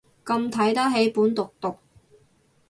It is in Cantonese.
咁睇得起本毒毒